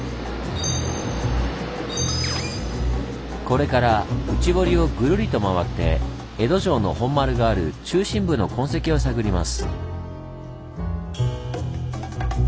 これから内堀をぐるりと回って江戸城の本丸がある中心部の痕跡を探ります。